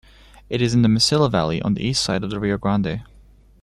It is in the Mesilla Valley, on the east side of the Rio Grande.